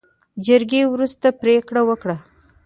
جرګې وروستۍ پرېکړه وکړه.